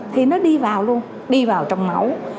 thì nó đi vào luôn đi vào trong máu